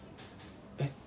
えっ？